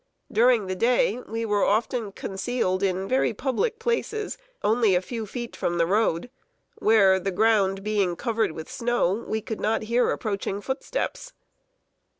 During the day we were often concealed in very public places, only a few feet from the road, where, the ground being covered with snow, we could not hear approaching footsteps.